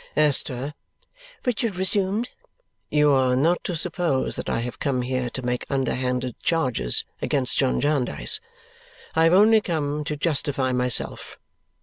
"Esther," Richard resumed, "you are not to suppose that I have come here to make underhanded charges against John Jarndyce. I have only come to justify myself.